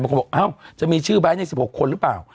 มันก็บอกเอ้าจะมีชื่อไบท์ใน๑๖คนหรือเปล่า